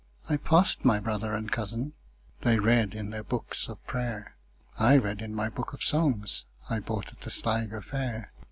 I passed my brother and cousin:They read in their books of prayer;I read in my book of songsI bought at the Sligo fair.